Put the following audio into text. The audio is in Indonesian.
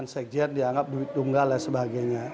sekjian dianggap dunggal dan sebagainya